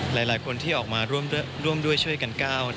หลายคนที่ออกมาร่วมด้วยช่วยกันก้าว